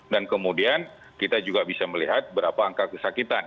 dan kemudian kita juga bisa melihat berapa angka kesakitan